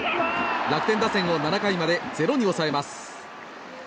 楽天打線を７回まで０に抑えます。